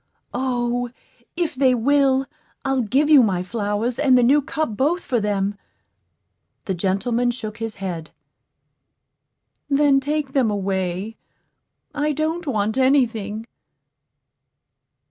O, if they will, I'll give you my flowers and the new cup both for them." The gentleman shook his head. "Then take them away. I don't want any thing."